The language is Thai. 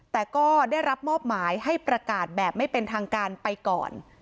แต่ก็ได้รับมอบหมายให้ประกาศแบบไม่เป็นทางการไปก่อน